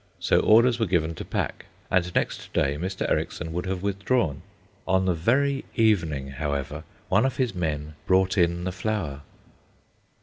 So orders were given to pack, and next day Mr. Ericksson would have withdrawn. On the very evening, however, one of his men brought in the flower.